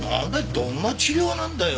どんな治療なんだよ